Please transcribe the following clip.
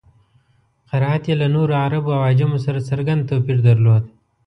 قرائت یې له نورو عربو او عجمو سره څرګند توپیر درلود.